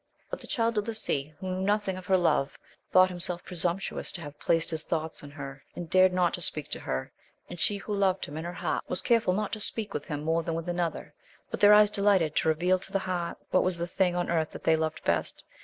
But the Child of the Sea, who knew nothing of her love, thought himself presumptuous to have placed his thoughts on her, and dared not to speak to her ; and she who loved him in her heart was careful not to speak more with him than with another; but their eyes delighted to reveal to the heart what was the thing on earth that they loved best.